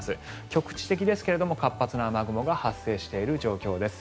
局地的ですが活発な雨雲が発生している状況です。